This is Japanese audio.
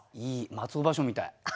松尾芭蕉みたい。